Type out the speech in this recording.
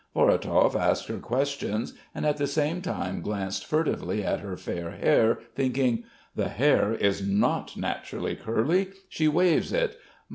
Vorotov asked her questions, and at the same time glanced furtively at her fair hair, thinking: "The hair is not naturally curly. She waves it.